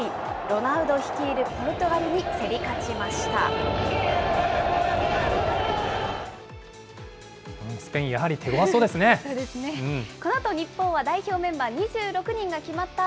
ロナウド率いるポルトガルに競り勝ちました。